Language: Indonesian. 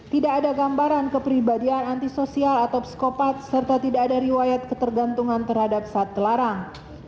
tidak ada gambaran kepribadian antisosial atau psikopat serta tidak ada riwayat ketergantungan terhadap saat kelarang